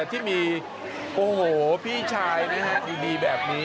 ที่มีพี่ชายดีแบบนี้